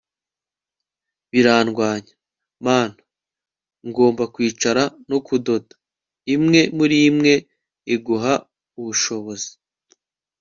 birandwanya - mana, ngomba kwicara no kudoda? imwe murimwe iguha ubushobozi